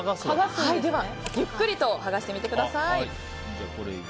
ゆっくりと剥がしてみてください。